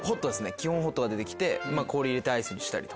基本ホットが出て来て氷入れてアイスにしたりとか。